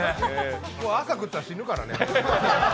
朝食ったら死ぬからね。